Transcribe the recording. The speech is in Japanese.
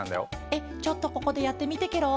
えっちょっとここでやってみてケロ。